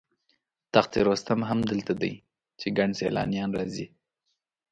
تخت رستم هم دلته دی چې ګڼ سیلانیان راځي.